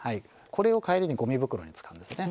これを帰りにゴミ袋に使うんですね。